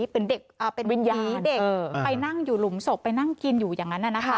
เป็นเด็กนะวิญญาณไปนั่งอยู่หลุมศพด้วยนั่งกินอย่างนั้น